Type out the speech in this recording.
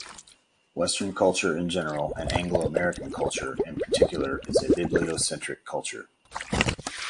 Western culture in general and Anglo-American culture in particular is a bibliocentric culture.